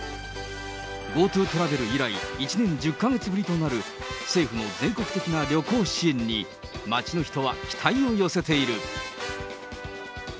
ＧｏＴｏトラベル以来、１年１０か月ぶりとなる政府の全国的な旅行支援に、街の人は期待を寄せている。